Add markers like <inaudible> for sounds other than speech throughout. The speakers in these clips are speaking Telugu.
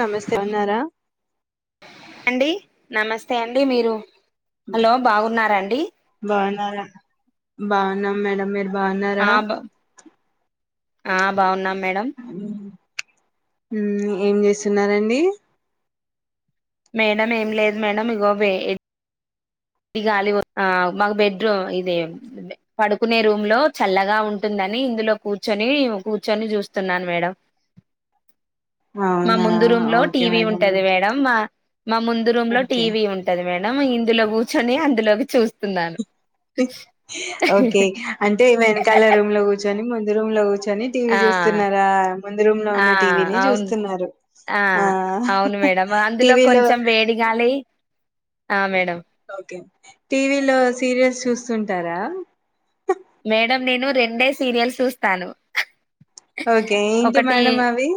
నమస్తే బన్నారా అండి నమస్తే అండి మీరు హలో బాగున్నారండి బాన్నమ్ మేడమ్ మీర్ ఆ బాన్నరా బ ఆ బాగున్నాం మేడం హ్మ్ ఏం చేస్తున్నారండి మేడం ఏం లేదు మేడం ఇగో వే ఇది గాలి ఆ మాకు బెడ్రూమ్ ఇది పడుకునే రూమ్ లో చల్లగా ఉంటుందని ఇందులో కూర్చొని కూర్చొని చూస్తున్నాను మేడం మా అవునా ముందు రూమ్ లో ఓకే టీవీ మేడం ఉంటది మేడం మా మా ముందు రూమ్ లో ఓకే టీవీ ఉంటది మేడం మ ఇందులో కుజ కూర్చొని అందులోకి చూస్తున్నాను ఉ ఓకే అంటే వెనకాల రూమ్ లో కూర్చొని ము రూంలో కూచ్ కొని టీవీ ఆ చూస్తున్నారా ముందు రూమ్ లో ఆ ఉన్న టీవీని అవును చూస్తున్నారు ఆ అవును మేడం అందులో టీవి లో కొంచెం వేడిగాలి ఆ మేడం టీవీ లో సీరియల్స్ చూస్తు ఉ ఉంటారా మేడం నేను రెండే సీరియల్స్ చూస్తాను ఓకే ఏంటి ఒకటి మేడం అవి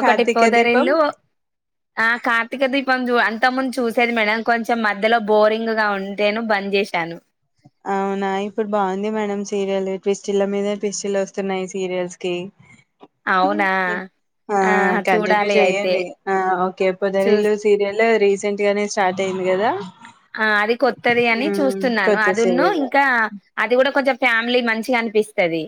ఒకటి కార్తీక దీపం పొదరిల్లు ఆ కార్తీక దీప్ పొంజ్ అంతకు ముందు చూసేది మేడం కొంచెం మధ్యలో బోరింగ్ గా ఉంటేను బంద్ చేశాను అవునా ఇప్పుడు బాగుంది మేడం సీరియల్ ట్విస్టల్ల మీద ట్విస్టిల్ వస్తున్నాయి సీరియల్స్ కి అవునా ఆ కంటిన్యూ చూడాలి అయితే చెయండి ఆ ఓకే చూ పోదరిల్లు సీరియల్ రి రీసెంటుగానే స్టార్ట్ అయింది కదా ఆ అది కొత్తది యని మ్మ్ చూస్తున్నాను కొత్త అ జున్ను సీరియల్ ఇంకా అది కూడా కొంచెం ఫ్యామిలీ మంచిగనిపిస్తది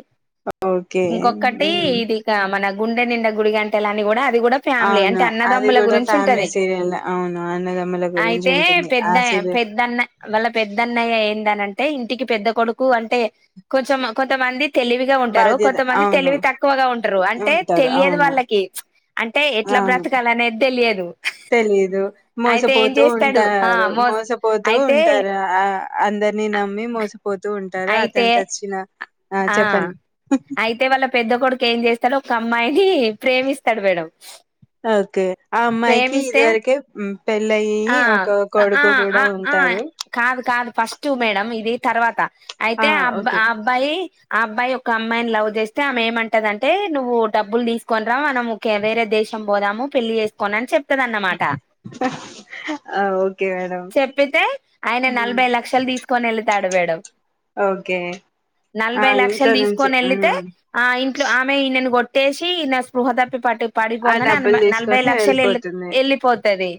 ఓకే ఇంకొకటి మ్మ్ ఇదిక మన గుండె నిండ గుడి గంటలని కూడా అది కూడా ఫ్యామిలీ అవును అంటే అది అన్నదమ్ముల కూడా గురించి ఉంటది ఫ్యామిలీ సీరియల్ అవును అన్నదమ్ముల గురించి అయితే ఉంటుంది అ పెద్ద పెద్దన్న వాళ్ళ పెద్దన్నయ్య ఏ వస్తానంటే ఇంటికి పెద్ద కొడుకు అంటే కొంచెం కొంతమంది తెలివిగా ఉంటారు బాధ్యత కొంతమంది అవును తెలివి తక్కువగా ఉంటారు అంటే ఉంటారు తెలియదు అవును వాళ్ళకి అంటే ఎట్ల అవును బ్రతకాల అనేది తెలియదు తెలీదు అయితే ఏం మోసపోతూ చేస్తాడు ఆ ఉంటారు మోస్ మోసపోతూ అయితే ఉంటారు ఆ అందరినీ నమ్మి మోస పోతూ ఉంటారు అయితే అతనికి వచ్చిన ఆ చెప్పండి అయితే వాళ్ళ పెద్ద కొడుకు ఏం చేస్తాడో ఒక అమ్మాయిని ప్రేమిస్తడు మేడం ఓకే ఆ అమ్మాయికి ఇది ప్రేమిస్తే వరకే పెళ్ళయి ఆ ఒక ఆ కొడుకు ఆ కూడా ఆ ఉంటారు కాదు కాదు ఫస్ట్ మేడం ఇది తర్వాత ఆ! అయితే అబ్బ ఓకే. అబ్బాయి ఆ అబ్బాయి ఒక అమ్మాయిని లవ్ చేస్తే ఆమె ఏమంటదంటే నువ్వు డబ్బులు తీసుకొని రా మనం కే వేరే దేశం పోదాము పెళ్లి చే కొనన్ చెప్ న్నమాట ఆ! Okay madam. చెప్పితే ఆయన హ్మ్. నలభై లక్షలు తీసు కొనెల్లి తాడబేడం ఓకే. ఆ! నలభై ఇంట్లో లక్షలు నుంచి తీసుకొని వెళ్ళితే హ్మ్. ఆ ఇంట్లో ఆమె నన్ కొ టేసి ఈన స్పృహ తప్పి పటు ఆ పడిపోంగనే అన డబ్బులు నలభై తీసుకొని లక్ లక్షలు వెళ్ళిపోతుంది. వెళ్ళిపోతది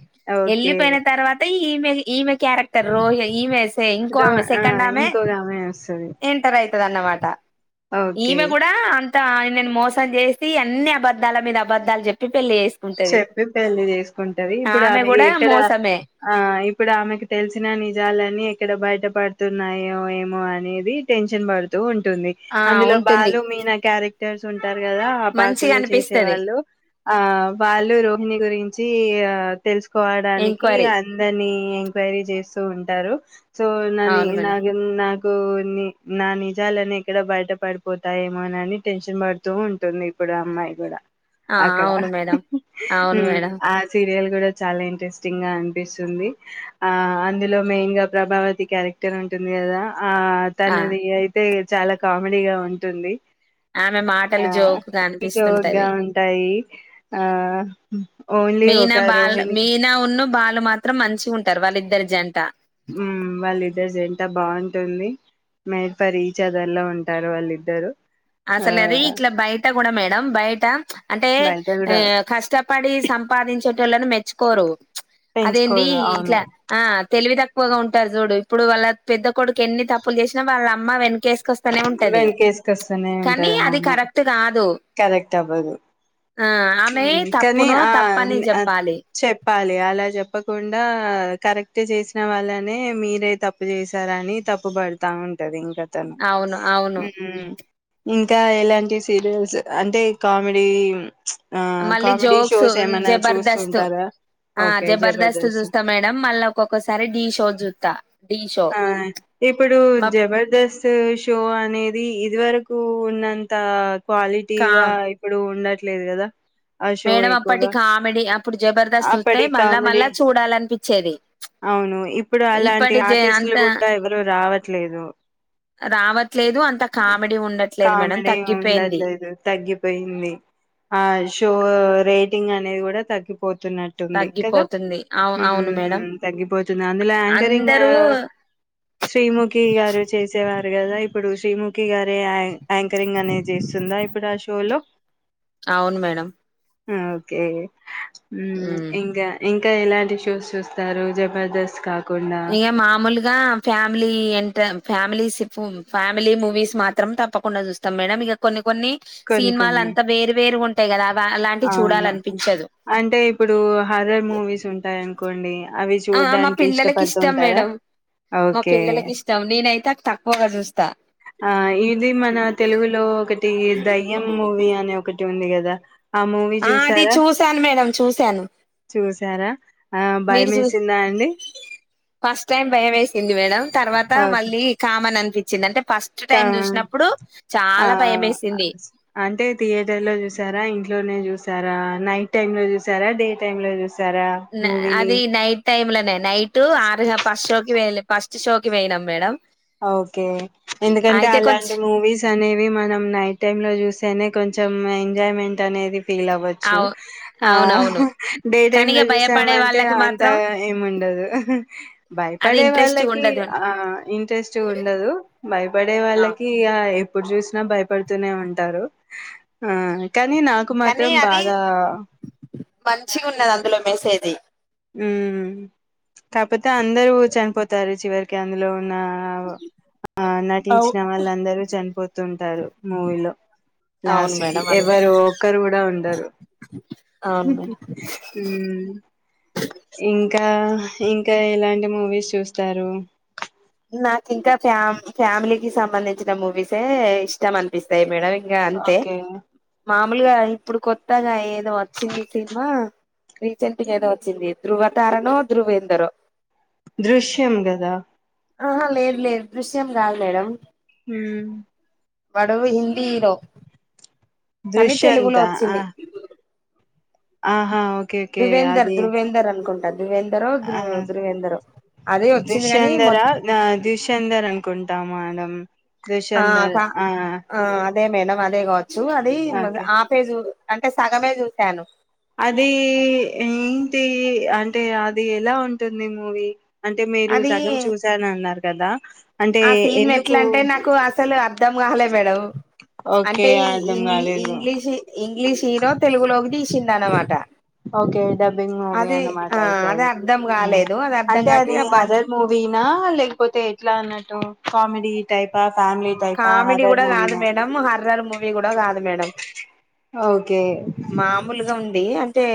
ఓకే. వెళ్ళిపోయిన తర్వాత ఈమే ఈమే క్యారెక్టర్ రోహి ఈమె ఇంకో దో ఆమె ఆ! సెకండ్ ఆమె ఇంకొక ఆమె వస్తది. ఎంటర్ అయి ఇదన్న మాట ఓకే. ఈమె కూడా అ త నేను మోసం చేసి అన్ని అబద్దాల మీద అబద్దాలు చెప్పి పెళ్లి చేసుకుంటది చెప్పి పెళ్లి చేసుకుంటది ఇప్పుడు ఆమె కూడా ఎక్కడ మోసమే ఆ ఇప్పుడు ఆమెకు తెలిసిన నిజాలన్ని ఎక్కడ బయట ఇ పడుతున్నాయో ఏమో అనేది టెన్షన్ పడుతూ ఉ టుంది ఆ అందులో ఉంటుంది బాలు మీనా క్యారె త్యాసున్ అంటారు కదా ఆ మంచిగా పాటలో చేసే అనిపిస్తది వాళ్ళు ఆ వాళ్ళు రోహిణి గురించి ఆ తెలుసుకోవడానికి ఎంక్వైరీ అందని ఎంక్వైరీ చే తూ ఉంటారు సో నని అవును నా మేడం నా సోని నా నిజాలని ఎక్కడ బయట పడిపోతాయేమోనని టెన్షన్ పడుతూ ఉంటుంది ఇప్పుడు అమ్మాయి గూడా ఆ అవును మె హ్మ్ ఆ సీరియల్ కూడా చాలా ఇంట్రెస్టింగ్ గా అనిపిస్తుంది ఆ అందులో మెయిన్ గా ప్రభావతి క్యారెక్టర్ ఉంటుంది కదా ఆ ఆ తనది అయితే చాలా కామెడీగా ఉంటుంది ఆమె ఆ మాటలు జోకుగ జోక్గా అనిపిస్తుంటది ఉంటాయి ఆ ఓన్లీ ఒక రోహిని వాళ్ళు మాత్రం మంచిగా ఉంటరు వాళ్ళిద్దరి జంట మ్మ్ వాళ్ళిద్దరు జంట బావుంటుంది మేడ్ ఫర్ ఇచ్ అదర్ ల ఉంటారు వాళ్ళిద్దరు ఆ అసలు అది ఇట్ల బయట కూడ మేడం బయట అంటే బయట కూడా కష్టపడి సంపాదించ టోళ్ళనీ మెచ్చుకోరు అదేంది పెంచుకోరు ఇట్ల అవును ఆ తెలివిత ఎక్కువగా ఉంటారు చూడు ఇప్పుడు వాళ్ళ పెద్ద కొడుకి ఎన్ని తప్పులు చేసినా వాళ్ళ అమ్మ వెనకేసుకొస్త వెంకెస్ కస్ ఉంటది అది అవును కరెక్ట్ కాదు కరెక్టవ్వదు ఆ ఆమె ఊ కానీ తప్పును ఆ తప్పని చెప్పాలి చెప్పాలి అలా చెప్పకుండా క కరెక్ట్ చేసిన వాళ్ళనే మీరే తప్పు చేసారని తప్పుపడ్తా ఉంటది ఇంకా తను ఔను ఔను హ్మ్. ఇంకా ఎలాంటి సీరియల్స్ అంటే కామెడీ ప్చ్ మళ్ళీ జోక్స్ జబర్దస్త్ చూస్తుంటారా ఆ జబర్దస్త్ చూస్తా మేడం మళ్ళ ఒక్కొక్కసారి డి షో జుద్త ఆ ఇప్పుడు జబర్దస్త్ షో అనేది ఇది వరకు ఉన్నంత కా క్వాలిటీగా ఇప్పుడు ఉండట్ లేదుగద మేడం అప్పటి కామెడీ అప్పుడు జబర్దస్త్ చూత్తె అప్పటి మళ్ళా కామెడీ మళ్ళా చూడాలనిపిచ్చెది ఇప్పటి జ పీస్ ల్ అంత కుట్ట ఎవరు రావట్లేదు రావట్లేదు అంత కామెడీ ఉండట్లేదు మేడం కామిడీ తగ్గిపోయింది ఉండట్లేదు తగ్గిపోయింది ఆష్ షో రేటింగ్ అనేది గూడ తగ్గిపో పోతున్నట్టుంది కద తగ్గిపోతుంది అవు అవును మేడం మ్మ్ తగ్గిపోతుంది అందులో యాంకరింగ్ అ అందరూ శ్రీముఖి గారు చేసేవారు గదా ఇ ఇప్పుడు శ్రీముఖి గారే యా యాంకరింగ్ అనేది చేస్తుంద ఇప్పుడు ఆ షో లో ఔను మేడం మ్మ్ ఒకే ము మ్మ్ ఇంగ ఇం ఇంక ఎలాంటి షోస్ చూస్తారు జబర్దస్త్ కా ఇగ మామూలుగా ఫ్యామ్లి ఎంట ఫ్యామిలీస్ ఫ్ ఫ్యామిలీ మూవీస్ మాత్రం తప్పకుండా చూస్తాం మేడం ఇగ కొన్ని కొన్ని కొన్ని సినిమాలు కొన్ని అంతా వేరు వేరు ఉంటాయి కదా అ అలాంటివి అవును చూడాలనిపించదు అంటే ఇప్పుడు హర్రర్ మూవీస్ ఉంటాయనుకోండి అవి ఆ మా చూడ్డానికి పిల్లలకి ఇష్టం ఇష్టపడుతుంటారా మేడం మా ఒకే పిల్లలకి ఇష్టం నేనైతే తక్కువగా చూస్తా ఆ ఇది మన తెలుగులో ఒకటి దయ్యం మూవీ అనే ఒకటి ఉంది కదా ఆ మూవీ ఆ అది చూసారా చూసాను మేడం చూసాను చూసారా ఆ భయం మీరు చూ వేసిందా అండి ఫస్ట్ టైమ్ భయమేస్ ఏంది మేడం తర్వాత మళ్ళీ కామన్ అం ఇచ్చింది అంట క ఆ భయం వేసింది అంటే థియేటర్ లో చూసారా ఇంట్లోనే చూస చూసారా నైట్ టైమ్ లో చూసారా డే టైమ్ లో చూసా అది నైట్ టైమ్ లోనే నైట్ ఆరు ఫస్ట్ షోకి వెళ్లి ఫస్ షో కి పోయినం మేడం ఓకే ఎందుకంటే అయితే కొంచ్ అలాంటి మూవీస్ అనేవి మనం నైట్ టైమ్ లో చూస్తేనే కొంచం కొంచం ఎంజాయ్మెంట్ అనేది ఫీల్ అవ్వచ్చు అవు ఆ అవునవును డే టైమ్ కానీ లో ఇగ భయపడే చూసామంటే వాళ్ళకి అంత మాత్రం ఏముండదు అది భయపడే ఇంట్రెస్ట్ వాళ్ళకి ఉండదు ఆ ఇంట్రెస్ట్ ఉండదు భయపడే ఆ వాళ్ళకి ఎప్పుడు చూసినా భయపడుతూనే ఉంటారు ఆ కానీ నాకు కానీ మాత్రం అది బాగా మంచిగా ఉన్నది అందులో మెసేజ్ హ్మ్ కాకపోతే అందరు చనిపోతారు చివరికి అందులో ఆ అవు నటించిన వాళ్ళందరూ చనిపోతు తుంటారు మూవీలో అవును లాస్ట్ కి మేడం అదే ఎవరు ఒకరు కూడా ఉండరు అవును మేడం ఇంకా ఇంకా ఎలాంటి మూవీస్ చూస్తారు నాకు ఇంకా ఫ్యా ఫ్యామిలీకిి సంబంధించిన మూవీసే ఇష్టం అనిపిస్తాయి మేడం ఇంకా అంతే ఓకే మామూలుగా ఇప్పుడు కొత అత్తగా ఏదో వచ్చింది సినిమా రీసెంట్గా ఏదో వచ్చింది ధ్రువ తారనో ధృువేందరో దృశ్యం కదా ఆహా లేదు లేదు దృశ్యం కాదు మేడం హ్మ్ వాడు హిందీ హీరో కానీ దృశ్యంత తెలుగులో ఆ వచ్చింది ఆహా ఓ ధువేందర్ ధృువేందర్ అన్కుంటా ధృవేందర్ ధృ ఆ ధృవేంద్రరో అదే వచ్చింది కాని దుష్యంధర తా మేడం ఆ దుశందర్ కా ఆ ఆ అదే మేడం అదే క చ్చు అది ఓకే ఆ పేజు అంటే సగమే చూశాను అది ఏంటి అంటే అది ఎలా ఉంటుంది మూవీ అంటే మీరు అది సగం చూశానన్నారు కదా అంటే ఆ సీన్ మెట్ల ఎందుకు అంటే నాకు అసలు అర్ధం కాలాలే మేడం ఓకే అంటే అర్ధం ఇంగ్లీ కాలేదు ఇంగ్లీష్ ఇంగ్లీష్ హీరో తెలుగులోకి తీస్ చింద అనమాట ఓకే డబ్బింగ్ మూవీ అది అన్నమాట ఆ అయితే అది అర్ధం మ్మ్ కాలేదు అది అర్ధం అంటే అది కాక అదర్ మూవీనా లేకపోతే ఎట్లా అన్నట్టు కామెడి టైప్ ఆ కామెడీ కూడా కాదు మేడం హర్రర్ మూవి కూడా కాదు మే డం ఓకే కే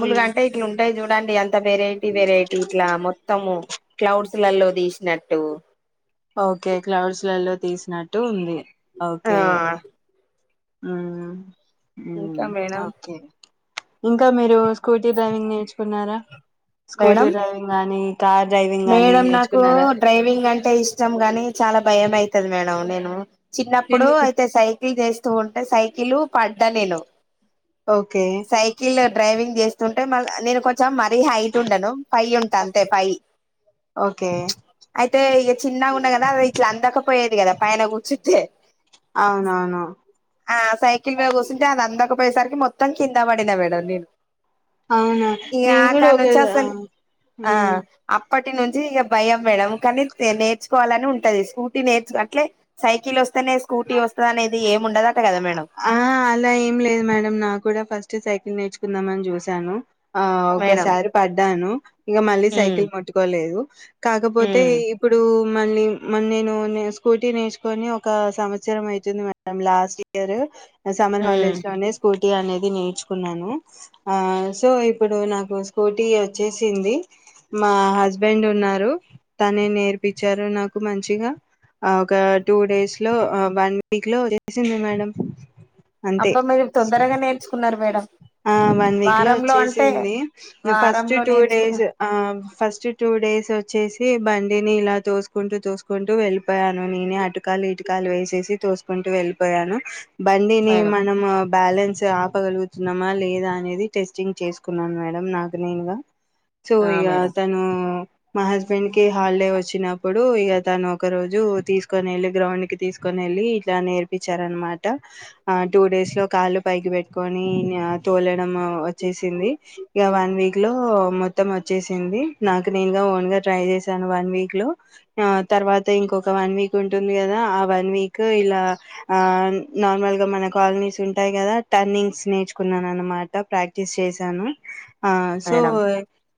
హ్మ్. ఇట్ల ఉన్ ఉంటాయి చూడండి అంత వేరేవి వెరైటీ ఇట్లా మొత్తము క్లౌడ్స్ <unintelligible> లో తీసినట్టు ఓకే క్లౌడ్స్ లలో తీసినట్టు ఉంది ఆ ఓకే హ్మ్మ్ ఇంకా మ్మ్ మేడం ఓకే ఇంకా మీరు స్కూటీ డ్రైవింగ్ నేర్చుకున్నారా స్కూటీ మేడం డ్రైవింగ్ గాని మేడం నాకు డ్రైవింగ్ అంటే ఇష్టం గాని చాలా భయం మైతది మేడం నేను చిన్నప్పుడు ఎందుకు అయితే సైకిల్ చేస్త వస్తూ ఉంటే సైకిల్ పడ్డా నేను ఓకే సైకిలర్ డ్రైవింగ్ చేస్తున్ అంటే నేను కొంచచ్చం మరీ హైట్ ఉండను ఫై ఉంటా అంతే ఫై ఓకే అయితే ఇగ చిన్నగా ఉన్నా కదా అవి ఇట్లా అందకపోయి ది కదా పైన కూర్చుంటే అవునవును ఆ సైకిల్ మీద కుసుంటే అద అంతాక పోయేసరికి మొత్తం కింద పడినా <unintelligible> అవునా నేను కూడా ఒకె వి ఆ అసలు ఆ హ్మ్ అప్పటి నుంచి ఇక భయం మేడం కానీ నేర్చుకోవాలని ఉంటది ఊటీ నేర్చ్ అట్లే సైకిల్ వస్తేనే స్కూటీ వస్తుద అనేది ఏమిండదక్ ఆ అలా ఏం లేదు మేడం నా కూడా ఫస్ట్ చ్ సైకిల్ నేర్చుకుందామని చూశాను ఆ మేడం ఒకసారి పడ్డాను ఇంకా మళ్ళీ ఉమ్ సైకిల్ ముట్టుకోలేదు అ కాకపోతే ఉమ్ ఇప్పుడు మళ్ళీ మ నేను నే స్కూటీ నేర్చుకొని ఒక సంవత్సరం అయితుంది మేడం లాస్ట్ ఇ ఎవరు అ సమ్మర్ ఉమ్ హాలేజ్ లోనే స్కూట్ అనేది నేర్చుకున్నాను ఆ సో ఇప్పుడు నాకు స్కూటీ వచ్చేసింది మా హస్బెండ్ ఉన్నారు తనే నేర్పించారు నాకు మంచిగా ఒక టూ డేస్ లో వన్ వీక్ లో వచ్చేసింది మేడం <unintelligible> అబ్బా మీరు తొందరగా నేర్చుకున్నారు మేడం ఆ వన్ వీక్ లో వారంలో అంటే వచ్చేసింది ఫస్ట్ వారంలో టూ నేర్చుకున్న డేస్ ఆ ఫస్ట్ టూ డేస్ డేసి వచ్చేసి బండిని ఇలా తోసుకుంటూ తోసుకుంటూ వెళ్ళిపోయాను నేనే అటకాలు ఇటుకాలు వేసేసి తోసుకుంటూ వెళ్ళిపోయాను బండిని మేడం మనము బ్యాలెన్స్ ఆపగలుగత్ తున్నమ లేదా అనేది టెస్టింగ్ చేసుకున్నాను మేడం నాకు నేనుగా సో ఆ ఇగ మేడం తను మా హస్బెండ్ కి హాలిడే వచ్చినప్పుడు ఇక తను ఒక రోజు తీసుకొని వెళ్ళి గ్రౌండ్ కి తీసుకొని వెళ్ళి ఇట్లా నేర్పించారనమాట ఆ టూ డేస్ లో కాళ్ళు పైకి పెట్టుకోని నీ ఆ తోలె డం వచ్చేసింది ఇగ వన్ వీక్ లో మొత్తం వచ్చేసింది నాకు నేను ఓన్ గా ట్రై చేసాను వన్ వక్ లో తర్వాత ఇంకొక వన్ వీక్ ఉంటుంది కదా ఆ వన్ వీక్ ఇలా ఆ నార్మల్ గా మన కాలనీస్ ఉంటాయి కదా టర్నింగ్స్ నేర్చుకున్నాను అనమాట ప్రాక్టీస్ చేశాను ఆ సో మేడం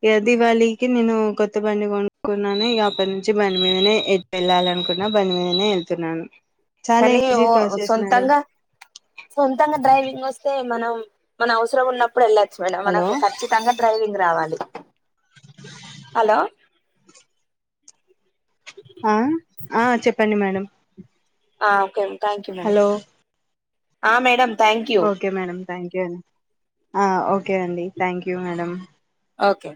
ఇ దివాళికి నేను కొత్త బండి కొనుక్కున్నాను ఇక అప్పటి నుంచి బండి మీదనే వెళ్ళాలనుకున్నా బండి మీదనే వెళ్తున్నాను చాలా కానీ ఈజీ ఓ ఒ ప్రాసెస్ మేడం సొంతంగా సొంతంగా డ్రైవ్ ఇంగోస్తే మనం మన అవసరం ఉన్నప్పు ఇప్పుడు వెళచ్చు మేడం హలో మనకు ఖచ్చితంగా డ్రైవింగు రావాలి హలో ఆ ఆ చెప్పండి మేడం ఆ ఓకే థాంక్యూ మేడం హలో ఆ మేడమ్ ఓకే మేడమ్ థాంక్యూ అండి ఓకే అండి థాంక్యూ మేడం ఓకే